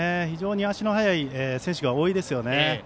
非常に足の速い選手が多いですよね。